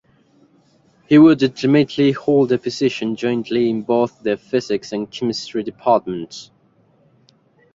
He would ultimately hold a position jointly in both the physics and chemistry departments.